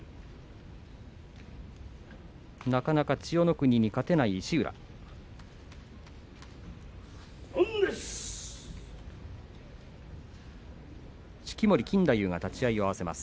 なかなか千代の国に勝てない石浦です。